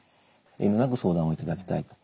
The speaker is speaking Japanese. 遠慮なく相談をいただきたいと。